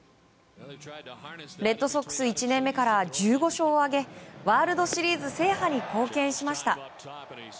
レッドソックス１年目から１５勝を挙げワールドシリーズ制覇に貢献しました。